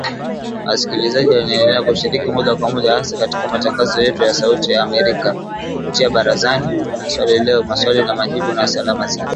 Wasikilizaji waendelea kushiriki moja kwa moja hasa katika matangazo yetu ya Sauti ya Amerika kupitia ‘Barazani’ na ‘Swali la Leo’, 'Maswali na Majibu', na 'Salamu Zenu'